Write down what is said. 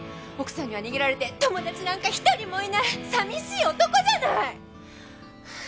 奥さんには逃げられて友達なんかひとりもいない寂しい男じゃない！